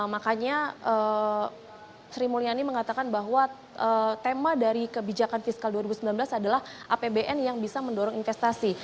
makanya sri mulyani mengatakan bahwa tema dari kebijakan fiskal dua ribu sembilan belas adalah apbn yang bisa mendorong investasi